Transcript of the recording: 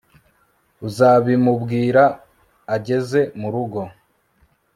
Uzabimubwira ageze murugo